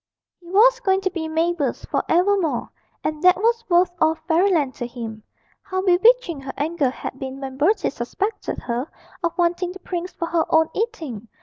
He was going to be Mabel's for evermore, and that was worth all Fairyland to him. How bewitching her anger had been when Bertie suspected her of wanting the prince for her own eating.